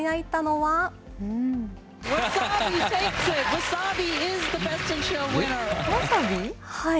はい。